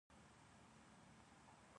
د افغانستان بیرغ کوم رنګونه لري؟